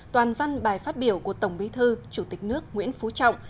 toàn văn bài phát biểu của tổng bí thư chủ tịch nước nguyễn phú trọng